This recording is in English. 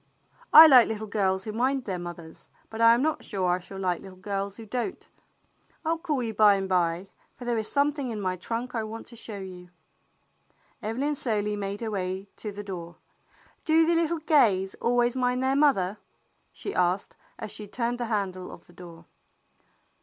" I like little girls who mind their mothers, but I am not sure I shall like little girls who don't. I '11 call you by and by, for there is something in my trunk I want to show you." Evelyn slowly made her way to the door. "Do the little Gays always mind their mother?" she asked, as she turned the handle of the door.